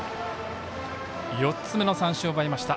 ４つ目の三振を奪いました。